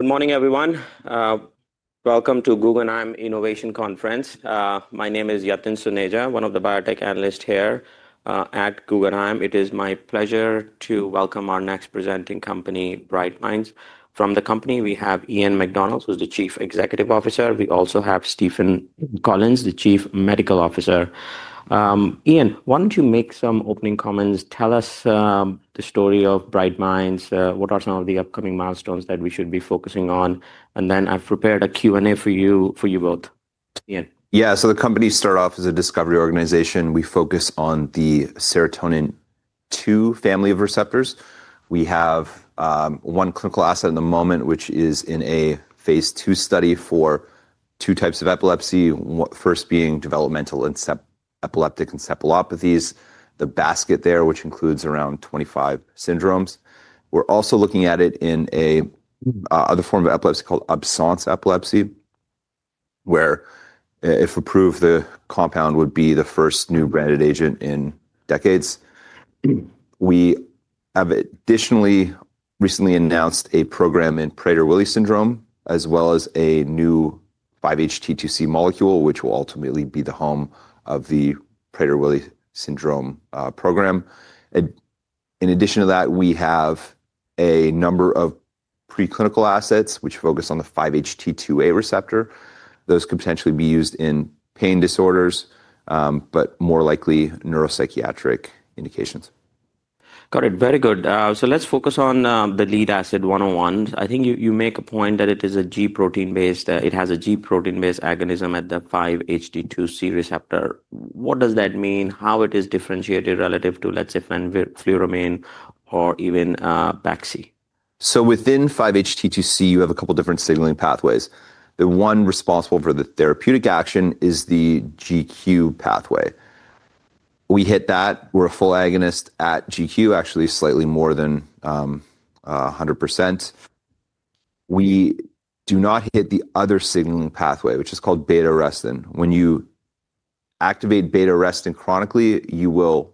Good morning, everyone. Welcome to Guggenheim Innovation Conference. My name is Yatin Suneja, one of the biotech analysts here at Guggenheim. It is my pleasure to welcome our next presenting company, Bright Minds. From the company, we have Ian McDonald, who's the Chief Executive Officer. We also have Stephen Collins, the Chief Medical Officer. Ian, why don't you make some opening comments? Tell us the story of Bright Minds. What are some of the upcoming milestones that we should be focusing on? I have prepared a Q&A for you, for you both. Ian. Yeah, so the company started off as a discovery organization. We focus on the serotonin two family of receptors. We have one clinical asset at the moment, which is in a phase II study for two types of epilepsy, first being developmental and epileptic encephalopathies, the basket there, which includes around 25 syndromes. We're also looking at it in a other form of epilepsy called Absence Epilepsy, where, if approved, the compound would be the first new branded agent in decades. We have additionally recently announced a program in Prader-Willi syndrome, as well as a new 5-HT2C molecule, which will ultimately be the home of the Prader-Willi syndrome program. In addition to that, we have a number of preclinical assets which focus on the 5-HT2A receptor. Those could potentially be used in pain disorders, but more likely neuropsychiatric indications. Got it. Very good. So let's focus on the lead asset 101. I think you make a point that it is a G protein-based, it has a G protein-based agonism at the 5-HT2C receptor. What does that mean? How is it differentiated relative to, let's say, fenfluramine or even BMB-101? Within 5-HT2C, you have a couple different signaling pathways. The one responsible for the therapeutic action is the G protein pathway. We hit that. We're a full agonist at GQ, actually slightly more than 100%. We do not hit the other signaling pathway, which is called beta-arrestin. When you activate beta-arrestin chronically, you will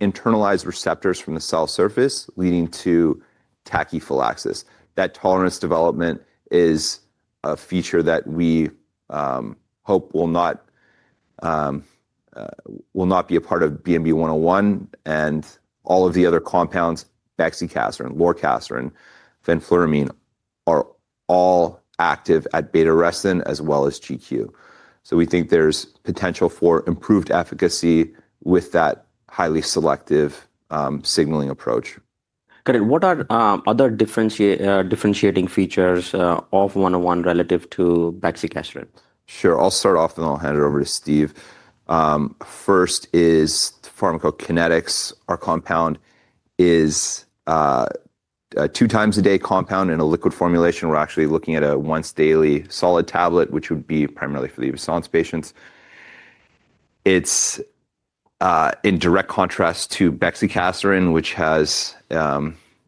internalize receptors from the cell surface, leading to tachyphylaxis. That tolerance development is a feature that we hope will not, will not be a part of BMB-101. All of the other compounds, bexicaserin, lorcaserin, fenfluramine, are all active at beta-arrestin as well as GQ. We think there's potential for improved efficacy with that highly selective signaling approach. Got it. What are other differentiating features of 101 relative to bexicaserin? Sure. I'll start off and I'll hand it over to Steve. First is pharmacokinetics. Our compound is a two times a day compound in a liquid formulation. We're actually looking at a once daily solid tablet, which would be primarily for the Absence patients. It's in direct contrast to bexicaserin, which has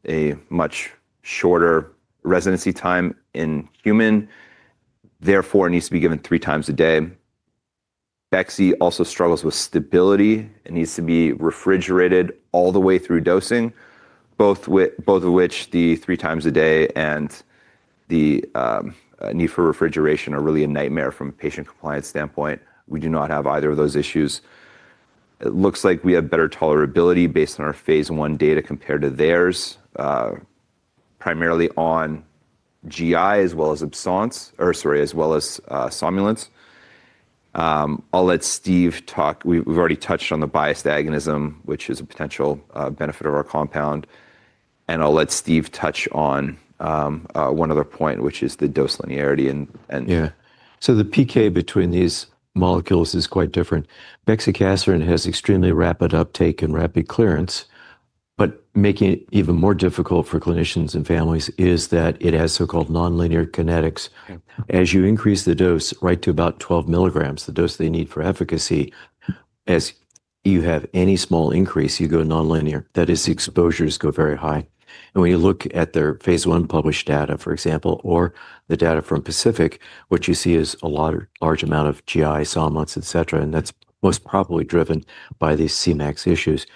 a much shorter residency time in human, therefore needs to be given 3x a day. Bexicaserin also struggles with stability. It needs to be refrigerated all the way through dosing, both of which, the 3x a day and the need for refrigeration, are really a nightmare from a patient compliance standpoint. We do not have either of those issues. It looks like we have better tolerability based on our phase I data compared to theirs, primarily on GI as well as, sorry, as well as somnolence. I'll let Steve talk. We've already touched on the biased agonism, which is a potential benefit of our compound. I'll let Steve touch on one other point, which is the dose linearity. Yeah. So the PK between these molecules is quite different. Bexicaserin has extremely rapid uptake and rapid clearance, but making it even more difficult for clinicians and families is that it has so-called nonlinear kinetics. As you increase the dose right to about 12 mg, the dose they need for efficacy, as you have any small increase, you go nonlinear. That is, the exposures go very high. When you look at their phase I published data, for example, or the data from Pacific, what you see is a large amount of GI, somnolence, et cetera. That is most probably driven by these CMAX issues.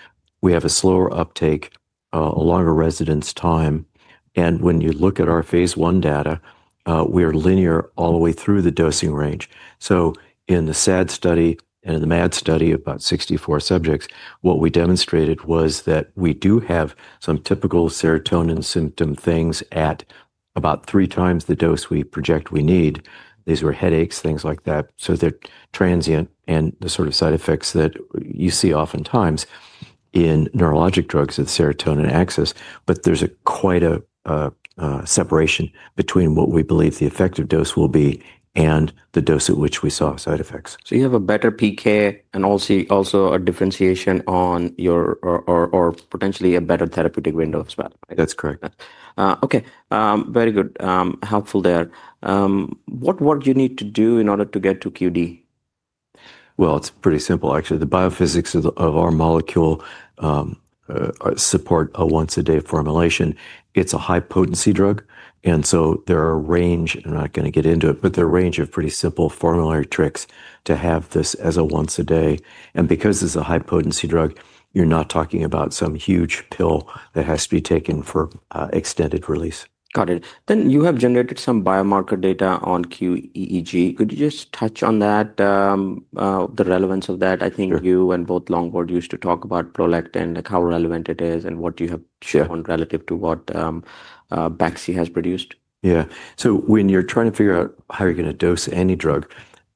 We have a slower uptake, a longer residence time. When you look at our phase I data, we are linear all the way through the dosing range. In the SAD study and in the MAD study of about 64 subjects, what we demonstrated was that we do have some typical serotonin symptom things at about three times the dose we project we need. These were headaches, things like that. They're transient and the sort of side effects that you see oftentimes in neurologic drugs of serotonin access. There's quite a separation between what we believe the effective dose will be and the dose at which we saw side effects. You have a better PK and also a differentiation on your, or potentially a better therapeutic window as well, right? That's correct. Okay. Very good. Helpful there. What work do you need to do in order to get to QD? It is pretty simple actually. The biophysics of our molecule support a once a day formulation. It is a high potency drug. There are a range, and I am not gonna get into it, but there are a range of pretty simple formulary tricks to have this as a once a day. Because it is a high potency drug, you are not talking about some huge pill that has to be taken for extended release. Got it. Then you have generated some biomarker data on QEEG. Could you just touch on that, the relevance of that? I think you and both Longboard used to talk about prolactin, like how relevant it is and what you have shown relative to what Bexicaserin has produced. Yeah. So when you're trying to figure out how you're gonna dose any drug,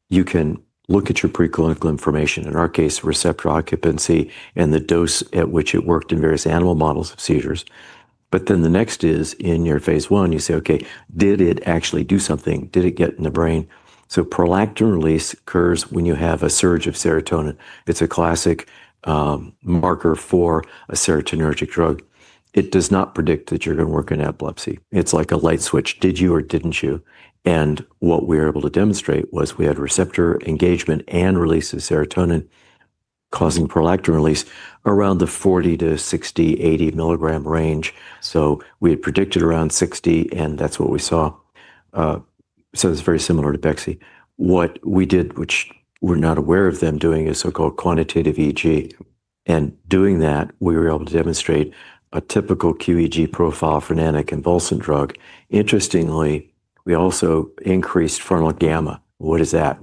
you can look at your preclinical information, in our case, receptor occupancy and the dose at which it worked in various animal models of seizures. But then the next is in your phase I, you say, okay, did it actually do something? Did it get in the brain? So prolactin release occurs when you have a surge of serotonin. It's a classic marker for a serotonergic drug. It does not predict that you're gonna work in epilepsy. It's like a light switch. Did you or didn't you? And what we were able to demonstrate was we had receptor engagement and release of serotonin causing prolactin release around the 40-60, 80 mg range. So we had predicted around 60, and that's what we saw. so it's very similar to bexicaserin. What we did, which we're not aware of them doing, is so-called quantitative EEG. And doing that, we were able to demonstrate a typical QEEG profile for an anticonvulsant drug. Interestingly, we also increased frontal gamma. What is that?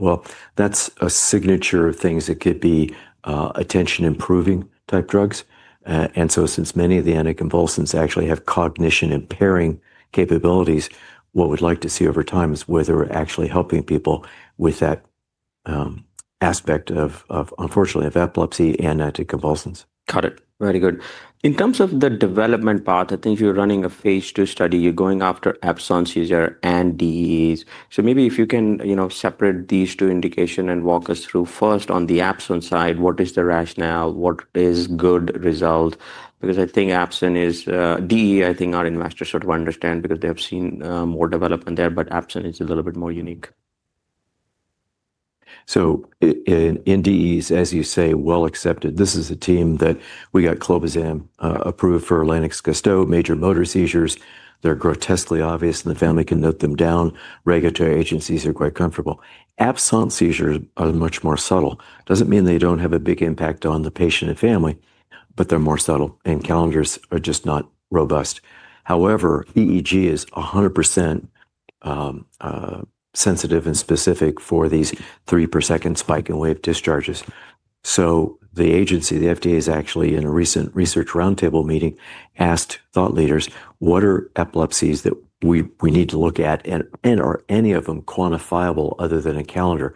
That's a signature of things that could be, attention improving type drugs. And so since many of the anticonvulsants actually have cognition impairing capabilities, what we'd like to see over time is whether we're actually helping people with that aspect of, unfortunately, of epilepsy and anticonvulsants. Got it. Very good. In terms of the development path, I think you're running a phase 2 study. You're going after Absence and DEEs. Maybe if you can, you know, separate these two indications and walk us through first on the Absence side, what is the rationale? What is a good result? Because I think Absence is, DEE, I think our investors sort of understand because they have seen more development there, but Absence is a little bit more unique. In DEEs, as you say, well accepted. This is a team that we got Clobazam, approved for Lennox-Gastaut, major motor seizures. They're grotesquely obvious and the family can note them down. Regulatory agencies are quite comfortable. Absence seizures are much more subtle. Doesn't mean they don't have a big impact on the patient and family, but they're more subtle and calendars are just not robust. However, EEG is 100% sensitive and specific for these three per second spike and wave discharges. The agency, the FDA, has actually in a recent research roundtable meeting asked thought leaders, what are epilepsies that we need to look at and are any of them quantifiable other than a calendar?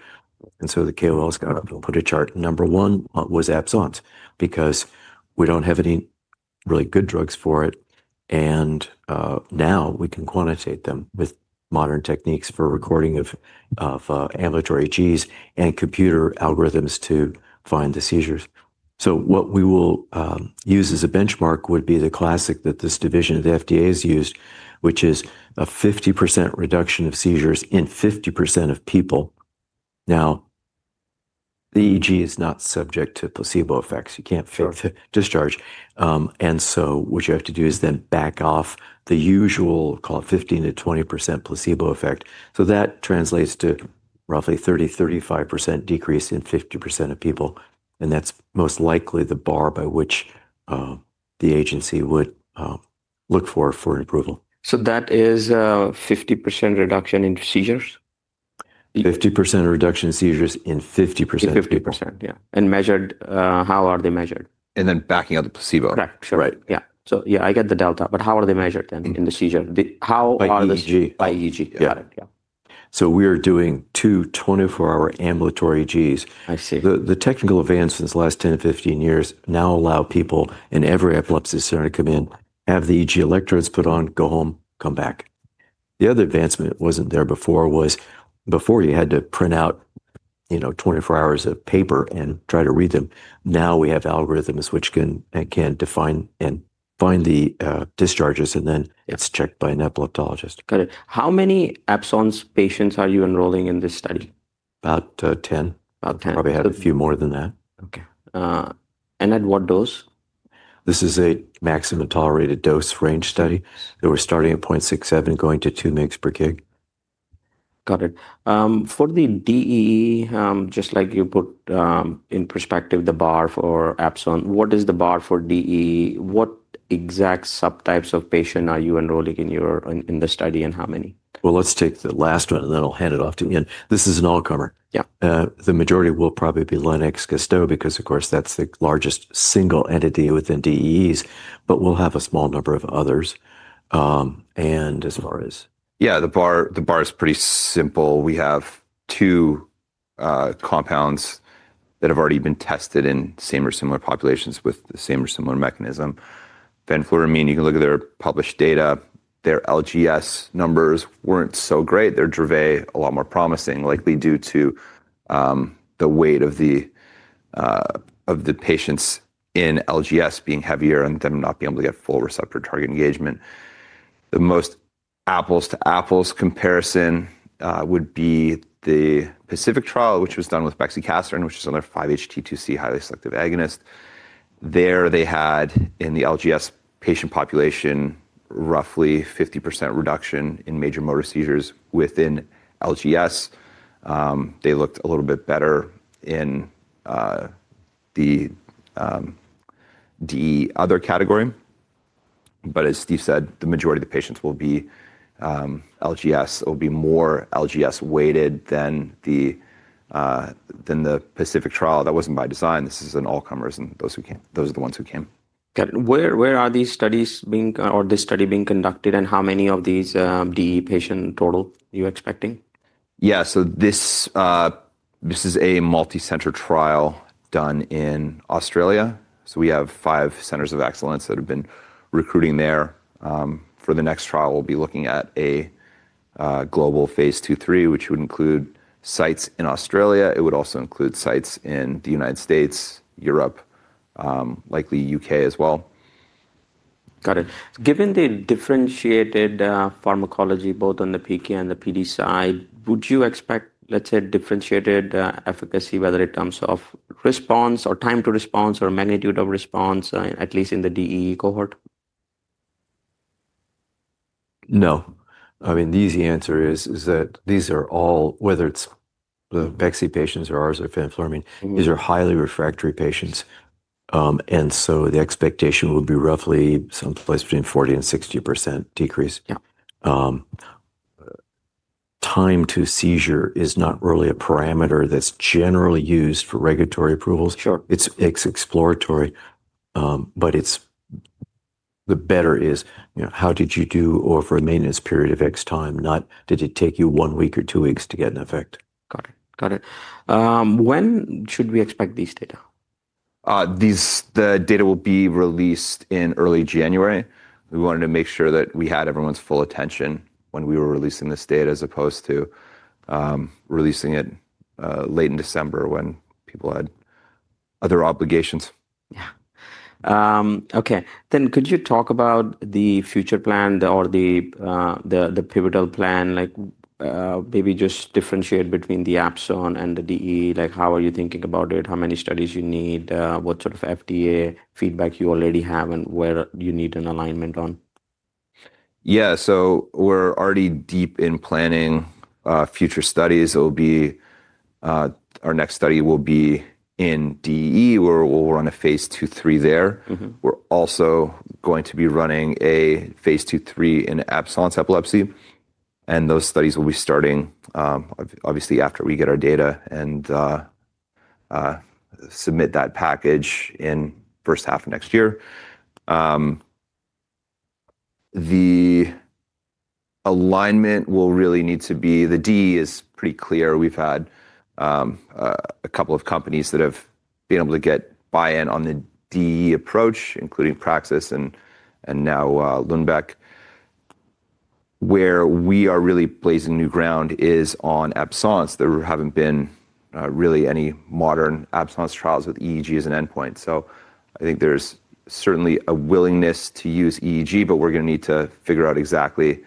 The KOLs got up and put a chart. Number one was Absence because we don't have any really good drugs for it. Now we can quantitate them with modern techniques for recording of ambulatory GEs and computer algorithms to find the seizures. What we will use as a benchmark would be the classic that this division of the FDA has used, which is a 50% reduction of seizures in 50% of people. Now, the EEG is not subject to placebo effects. You can't fake the discharge, and so what you have to do is then back off the usual, call it 15%-20% placebo effect. That translates to roughly 30%-35% decrease in 50% of people. That's most likely the bar by which the agency would look for approval. That is a 50% reduction in seizures? 50% reduction in seizures in 50%. In 50%. Yeah. And measured, how are they measured? Backing out the placebo. Correct. Sure. Right. Yeah. Yeah, I get the delta, but how are they measured then in the seizure? How are they by EEG? By EEG. Got it. Yeah. We are doing two 24-hour ambulatory QEEGs. I see. The technical advancements in the last 10 to 15 years now allow people in every epilepsy center to come in, have the EEG electrodes put on, go home, come back. The other advancement that was not there before was before you had to print out, you know, 24 hours of paper and try to read them. Now we have algorithms which can define and find the discharges and then it is checked by an epileptologist. Got it. How many absence patients are you enrolling in this study? About, 10. About 10. Probably had a few more than that. Okay. And at what dose? This is a maximum tolerated dose range study that we're starting at 0.67, going to 2 mg per kg. Got it. For the DEE, just like you put in perspective the bar for Absence, what is the bar for DEE? What exact subtypes of patient are you enrolling in your, in the study and how many? Let's take the last one and then I'll hand it off to Ian. This is an all comer. Yeah. The majority will probably be Lennox-Gastaut because of course that's the largest single entity within DEEs, but we'll have a small number of others. And as far as. Yeah, the bar, the bar is pretty simple. We have two compounds that have already been tested in same or similar populations with the same or similar mechanism. Fenfluramine, you can look at their published data, their LGS numbers were not so great. Their Dravet a lot more promising, likely due to the weight of the patients in LGS being heavier and them not being able to get full receptor target engagement. The most apples to apples comparison would be the Pacific trial, which was done with BMB-101, which is another 5-HT2C highly selective agonist. There they had in the LGS patient population roughly 50% reduction in major motor seizures within LGS. They looked a little bit better in the DEE other category. But as Steve said, the majority of the patients will be LGS, it will be more LGS weighted than the Pacific trial. That wasn't by design. This is an all comers and those who came, those are the ones who came. Got it. Where are these studies being, or this study being conducted, and how many of these DEE patient total you're expecting? Yeah. This is a multi-center trial done in Australia. We have five centers of excellence that have been recruiting there. For the next trial, we'll be looking at a global phase 2/3, which would include sites in Australia. It would also include sites in the United States, Europe, likely the U.K. as well. Got it. Given the differentiated pharmacology both on the PK and the PD side, would you expect, let's say, differentiated efficacy, whether it comes off response or time to response or magnitude of response, at least in the DEE cohort? No. I mean, the easy answer is, is that these are all, whether it's the Bexicaserin patients or ours or fenfluramine, these are highly refractory patients. I mean, the expectation would be roughly someplace between 40-60% decrease. Yeah. time to seizure is not really a parameter that's generally used for regulatory approvals. Sure. It's exploratory, but it's, the better is, you know, how did you do over a maintenance period of X time, not did it take you one week or two weeks to get an effect? Got it. Got it. When should we expect these data? These, the data will be released in early January. We wanted to make sure that we had everyone's full attention when we were releasing this data as opposed to releasing it late in December when people had other obligations. Yeah. Okay. Could you talk about the future plan or the pivotal plan, like, maybe just differentiate between the Absence and the DEE? Like how are you thinking about it? How many studies you need? What sort of FDA feedback you already have and where you need an alignment on? Yeah. So we're already deep in planning, future studies. It'll be, our next study will be in DEE where we'll run a phase 2, 3 there. Mm-hmm. We're also going to be running a phase 2, 3 in Absence Epilepsy. Those studies will be starting, obviously after we get our data and submit that package in first half of next year. The alignment will really need to be, the DEE is pretty clear. We've had a couple of companies that have been able to get buy-in on the DEE approach, including Praxis and now, Lundbeck. Where we are really blazing new ground is on Absence. There haven't been really any modern Absence trials with EEG as an endpoint. I think there's certainly a willingness to use EEG, but we're gonna need to figure out exactly,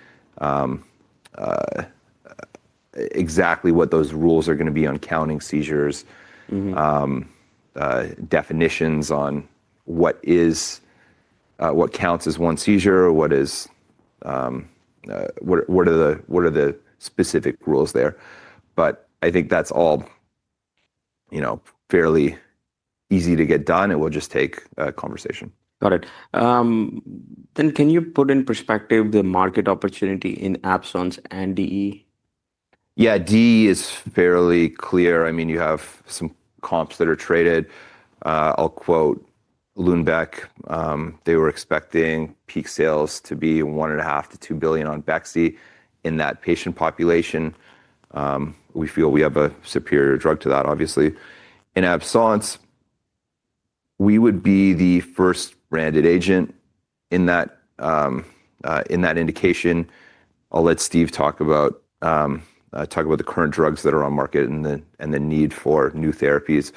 exactly what those rules are gonna be on counting seizures. Mm-hmm. Definitions on what is, what counts as one seizure, what is, what are the specific rules there. I think that's all, you know, fairly easy to get done. It will just take a conversation. Got it. Then can you put in perspective the market opportunity in absence and DEE? Yeah, DEE is fairly clear. I mean, you have some comps that are traded. I'll quote Lundbeck. They were expecting peak sales to be $1.5 billion-$2 billion on Bexicaserin in that patient population. We feel we have a superior drug to that, obviously. In Absence, we would be the first branded agent in that, in that indication. I'll let Steve talk about, talk about the current drugs that are on market and the, and the need for new therapies.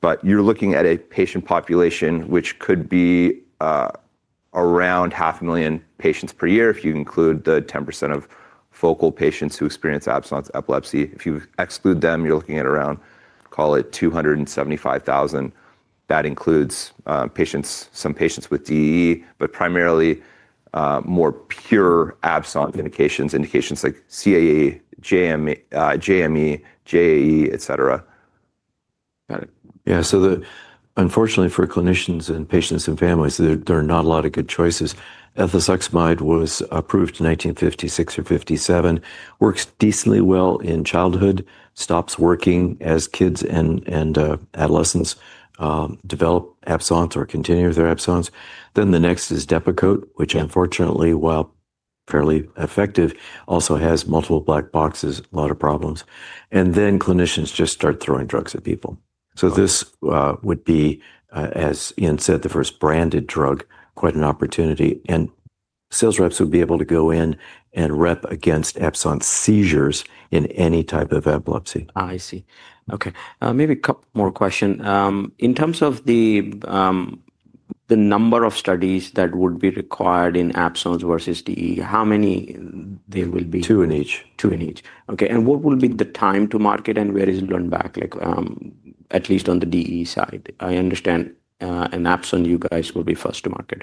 But you're looking at a patient population, which could be, around 500,000 patients per year if you include the 10% of focal patients who experience Absence epilepsy. If you exclude them, you're looking at around, call it 275,000. That includes, patients, some patients with DEE, but primarily, more pure Absence indications, indications like CAE, JME, JAE, et cetera. Got it. Yeah. So unfortunately for clinicians and patients and families, there are not a lot of good choices. Ethosuximide was approved in 1956 or 1957, works decently well in childhood, stops working as kids and adolescents develop Absence or continue with their Absence. The next is Depakote, which unfortunately, while fairly effective, also has multiple black boxes, a lot of problems. Then clinicians just start throwing drugs at people. This would be, as Ian said, the first branded drug, quite an opportunity. Sales reps would be able to go in and rep against Absence seizures in any type of epilepsy. I see. Okay. Maybe a couple more questions. In terms of the number of studies that would be required in Absence versus DEE, how many there will be? Two in each. Two in each. Okay. What will be the time to market and where is Lundbeck, like, at least on the DEE side? I understand, in absence, you guys will be first to market.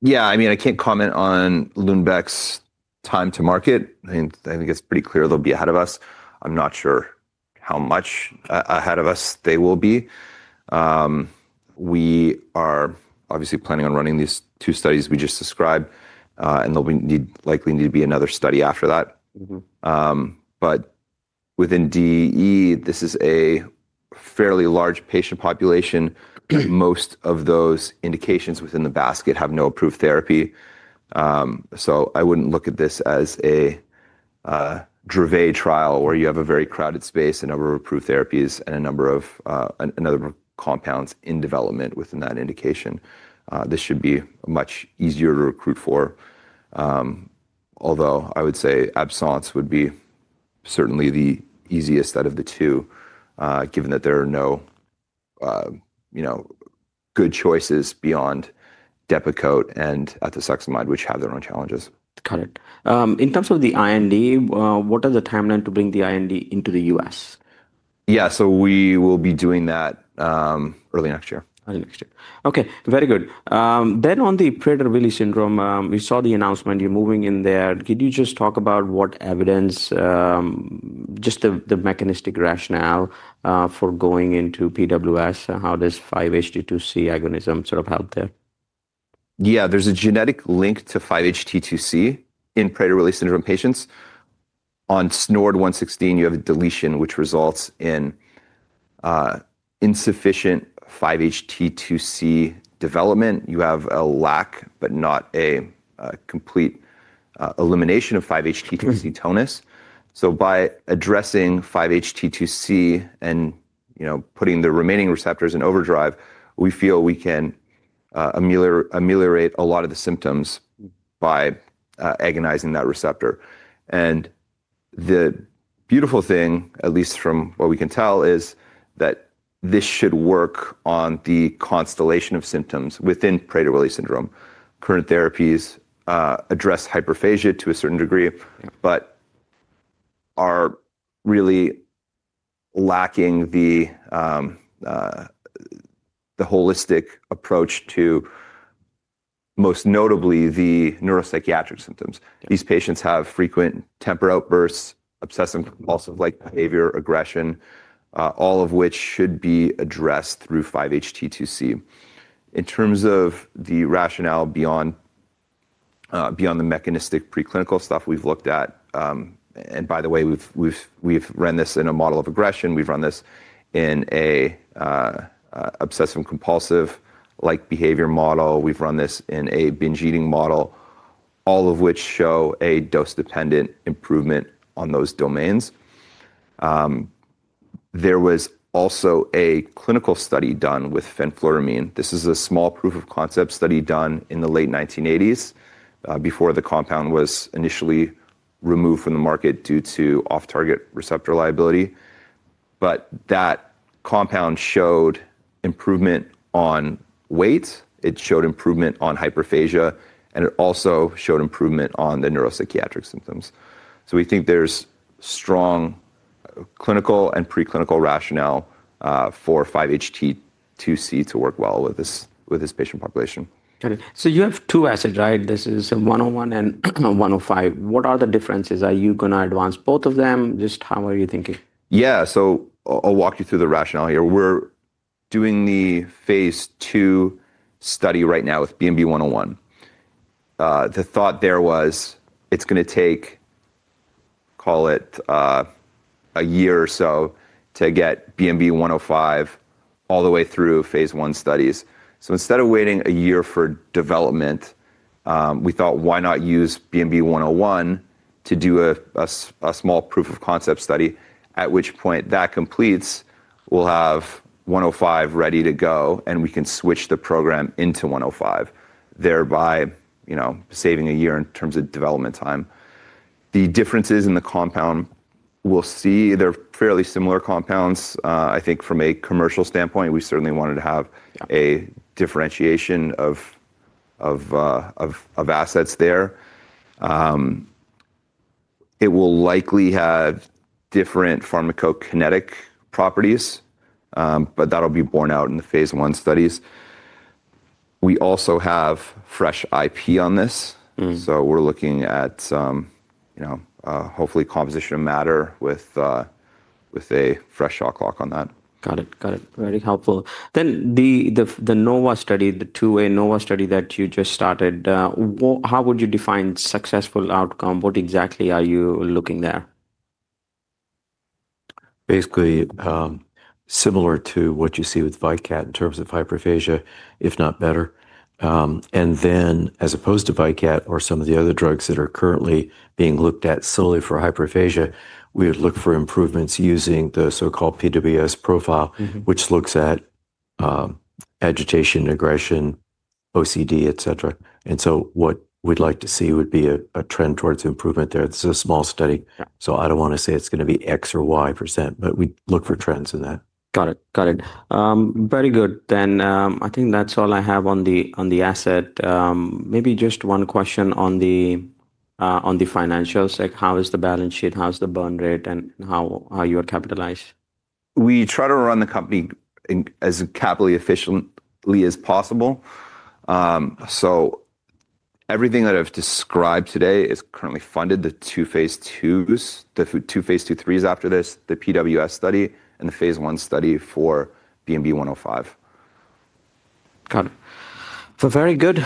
Yeah. I mean, I can't comment on Lundbeck's time to market. I mean, I think it's pretty clear they'll be ahead of us. I'm not sure how much ahead of us they will be. We are obviously planning on running these two studies we just described, and there'll likely need to be another study after that. Mm-hmm. but within DEE, this is a fairly large patient population. Most of those indications within the basket have no approved therapy. I would not look at this as a Dravet trial where you have a very crowded space and a number of approved therapies and a number of other compounds in development within that indication. This should be much easier to recruit for. Although I would say Absence would be certainly the easiest out of the two, given that there are no, you know, good choices beyond Depakote and Ethosuximide, which have their own challenges. Got it. In terms of the IND, what are the timeline to bring the IND into the U.S.? Yeah. We will be doing that, early next year. Early next year. Okay. Very good. Then on the Prader-Willi syndrome, we saw the announcement you're moving in there. Could you just talk about what evidence, just the, the mechanistic rationale, for going into PWS and how does 5-HT2C agonism sort of help there? Yeah. There's a genetic link to 5-HT2C in Prader-Willi syndrome patients. On SNORD-116, you have a deletion, which results in insufficient 5-HT2C development. You have a lack, but not a complete elimination of 5-HT2C tonus. By addressing 5-HT2C and, you know, putting the remaining receptors in overdrive, we feel we can ameliorate a lot of the symptoms by agonizing that receptor. The beautiful thing, at least from what we can tell, is that this should work on the constellation of symptoms within Prader-Willi syndrome. Current therapies address hyperphagia to a certain degree, but are really lacking the holistic approach to most notably the neuropsychiatric symptoms. These patients have frequent temper outbursts, obsessive-compulsive-like behavior, aggression, all of which should be addressed through 5-HT2C. In terms of the rationale beyond the mechanistic preclinical stuff we've looked at, and by the way, we've run this in a model of aggression. We've run this in an obsessive-compulsive-like behavior model. We've run this in a binge eating model, all of which show a dose-dependent improvement on those domains. There was also a clinical study done with fenfluramine. This is a small proof of concept study done in the late 1980s, before the compound was initially removed from the market due to off-target receptor liability. That compound showed improvement on weight. It showed improvement on hyperphagia, and it also showed improvement on the neuropsychiatric symptoms. We think there's strong clinical and preclinical rationale for 5-HT2C to work well with this patient population. Got it. So you have two assets, right? This is a 101 and 105. What are the differences? Are you gonna advance both of them? Just how are you thinking? Yeah. I'll walk you through the rationale here. We're doing the phase 2 study right now with BMB-101. The thought there was it's gonna take, call it, a year or so to get BMB-105 all the way through phase I studies. Instead of waiting a year for development, we thought, why not use BMB-101 to do a small proof of concept study, at which point that completes, we'll have 105 ready to go and we can switch the program into 105, thereby, you know, saving a year in terms of development time. The differences in the compound, we'll see, they're fairly similar compounds. I think from a commercial standpoint, we certainly wanted to have a differentiation of assets there. It will likely have different pharmacokinetic properties, but that'll be borne out in the phase I studies. We also have fresh IP on this. Mm-hmm. We're looking at some, you know, hopefully composition of matter with a fresh shot clock on that. Got it. Got it. Very helpful. The NOVA study, the two-way NOVA study that you just started, how would you define successful outcome? What exactly are you looking there? Basically, similar to what you see with Vykat in terms of hyperphagia, if not better. Then as opposed to Vykat or some of the other drugs that are currently being looked at solely for hyperphagia, we would look for improvements using the so-called PWS profile, which looks at agitation, aggression, OCD, et cetera. What we'd like to see would be a trend towards improvement there. This is a small study. Yeah. I don't wanna say it's gonna be X or Y %, but we look for trends in that. Got it. Got it. Very good. I think that's all I have on the asset. Maybe just one question on the financials. Like how is the balance sheet? How's the burn rate and how you are capitalized? We try to run the company as capitally efficiently as possible. So everything that I've described today is currently funded. The two phase IIs, the two phase II threes after this, the PWS study and the phase one study for BMB-105. Got it. Very good.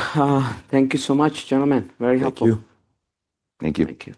Thank you so much, gentlemen. Very helpful. Thank you. Thank you. Thank you.